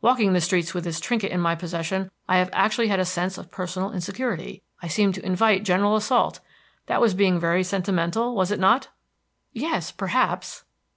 Walking the streets with this trinket in my possession, I have actually had a sense of personal insecurity. I seemed to invite general assault. That was being very sentimental, was it not?" "Yes, perhaps."